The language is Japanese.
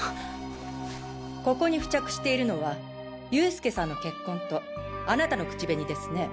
ここに付着しているのは佑助さんの血痕とあなたの口紅ですね。